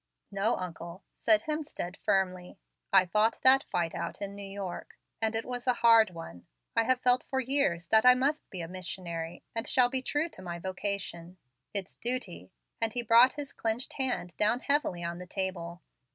"No, uncle," said Hemstead, firmly, "I fought that fight out in New York, and it was a hard one. I have felt for years that I must be a missionary, and shall be true to my vocation. It's duty"; and he brought his clenched hand down heavily on the table.